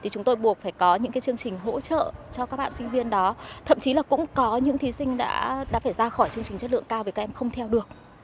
chúng tôi buộc phải có những chương trình hỗ trợ cho các bạn sinh viên đó thậm chí là cũng có những thí sinh đã phải ra khỏi chương trình chất lượng cao vì các em không theo được